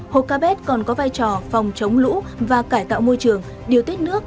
hồ capet còn có vai trò phòng chống lũ và cải tạo môi trường điều tiết nước